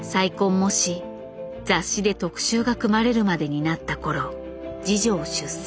もし雑誌で特集が組まれるまでになった頃次女を出産。